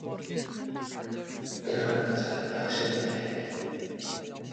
Гэр орноо санаад байх шиг байна.